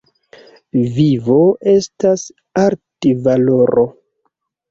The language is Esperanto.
Vivo estas altvalora.